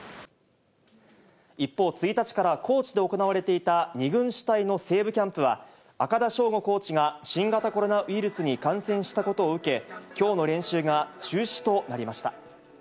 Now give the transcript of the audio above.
一方、１日から高知で行われていた２軍主体の西武キャンプは、赤田将吾コーチが新型コロナウイルスに感染したことを受け、きょうの練習が中止となりました。